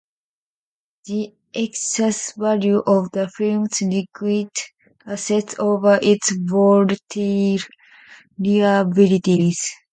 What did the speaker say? The excess value of the firm's liquid assets over its volatile liabilities.